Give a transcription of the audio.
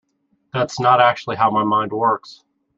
That's not actually how my mind works.